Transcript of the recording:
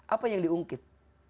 apa yang diungkit